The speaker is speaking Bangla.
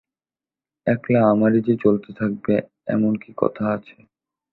একলা আমারই যে চলতে থাকবে এমন কী কথা আছে?